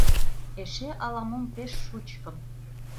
Эше ала-мом пеш шучкым